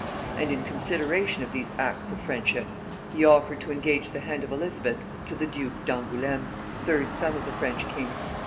And in consideration of these acts of friendship, he offered to engage the hand of Elizabeth to the duke d'Angoulême, third son of the French king.